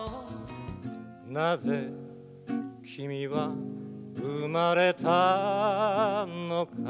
「なぜ君は生まれたのか」